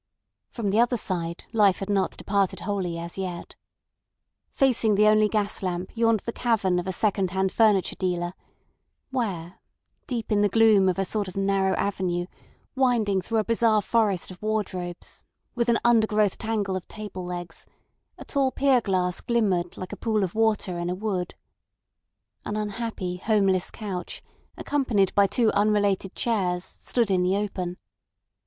From the other side life had not departed wholly as yet. Facing the only gas lamp yawned the cavern of a second hand furniture dealer, where, deep in the gloom of a sort of narrow avenue winding through a bizarre forest of wardrobes, with an undergrowth tangle of table legs, a tall pier glass glimmered like a pool of water in a wood. An unhappy, homeless couch, accompanied by two unrelated chairs, stood in the open.